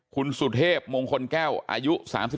คุณสุเทพมงคลแก้วอายุ๓๒